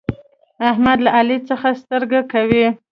احمد له علي څخه سترګه کوي.